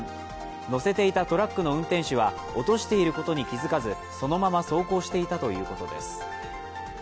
載せていたトラックの運転手は落としていることに気づかず、そのまま走行していたということです。